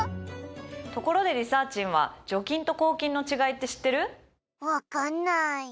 ところでリサーちんは除菌と抗菌の違いって知ってる？